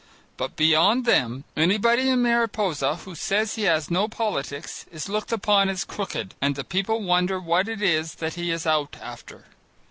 But beyond them, anybody in Mariposa who says that he has no politics is looked upon as crooked, and people wonder what it is that he is "out after."